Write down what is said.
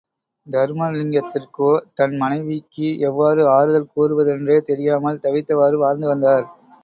தருமலிங்கத்திற்கோ, தன் மனைவிக்கு எவ்வாறு ஆறுதல் கூறுவதென்றே தெரியாமல், தவித்தவாறு வாழ்ந்து வந்தார்.